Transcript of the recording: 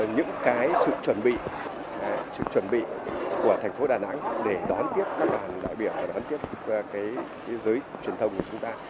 những cái sự chuẩn bị của thành phố đà nẵng để đón tiếp các bạn đại biểu đón tiếp dưới truyền thông của chúng ta